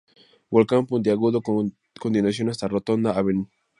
Volcán Puntiagudo con continuación hasta Rotonda Av.